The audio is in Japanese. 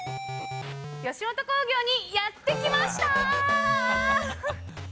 吉本興業にやって来ましたー！